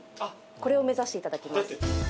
これを目指していただきます